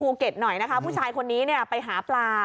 ภูเก็ตหน่อยนะคะผู้ชายคนนี้ไปหาปลา